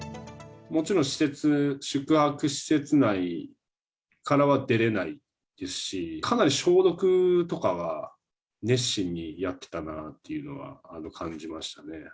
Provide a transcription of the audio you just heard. もちろん施設、宿泊施設内からは出れないですし、かなり消毒とかは熱心にやってたなっていうのは感じましたね。